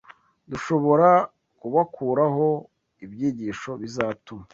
dushobora kubakuraho ibyigisho bizatuma